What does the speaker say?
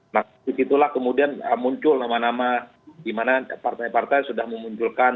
nah disitulah kemudian muncul nama nama di mana partai partai sudah memunculkan